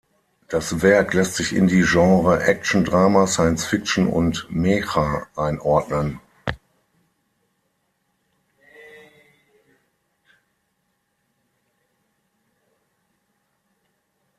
Das Werk lässt sich in die Genre Action, Drama, Science Fiction und Mecha einordnen.